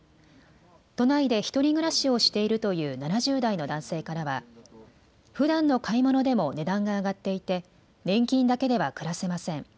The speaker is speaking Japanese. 都内で１人暮らしをしているという７０代の男性からはふだんの買い物でも値段が上がっていて年金だけでは暮らせません。